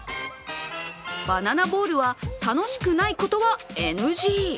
バナナボールは楽しくないことはＮＧ。